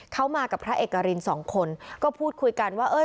เขามากับพระเอกรินสองคนก็พูดคุยกันว่าเออ